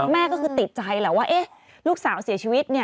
แม่ก็คือติดใจแหละว่าลูกสาวเสียชีวิต